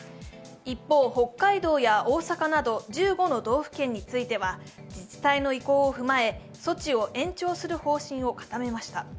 一方、北海道や大阪など１５の道府県については、自治体の意向を踏まえ、措置を延長する方針を固めました。